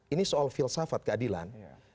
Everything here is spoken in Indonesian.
ini soal filsafat keadilan